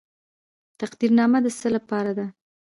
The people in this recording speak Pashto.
تقدیرنامه د څه لپاره ده؟